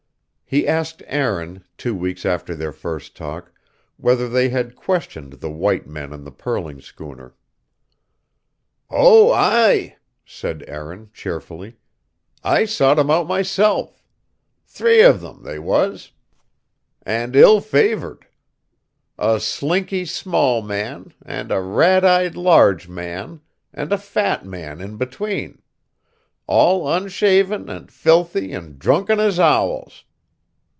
He asked Aaron, two weeks after their first talk, whether they had questioned the white men on the pearling schooner. "Oh, aye," said Aaron cheerfully. "I sought 'em out, myself. Three of them, they was; and ill favored. A slinky small man, and a rat eyed large man, and a fat man in between; all unshaven, and filthy, and drunken as owls.